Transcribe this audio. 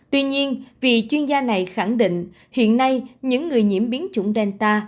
tuy nhiên vì chuyên gia này khẳng định hiện nay những người nhiễm biến chủng delta